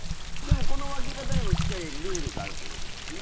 この分け方にもしっかりルールがあるということですね。